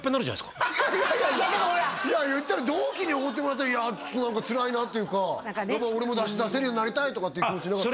いやいやいや同期におごってもらったらツラいなっていうか俺も出せるようになりたいとかっていう気持ちなかった？